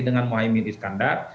dengan mohaimin iskandar